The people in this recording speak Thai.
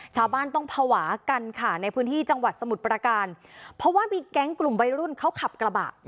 ชาวบ้านต้องภาวะกันค่ะในพื้นที่จังหวัดสมุทรประการเพราะว่ามีแก๊งกลุ่มวัยรุ่นเขาขับกระบะ